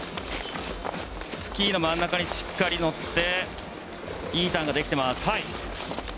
スキーの真ん中にしっかり乗っていいターンができています。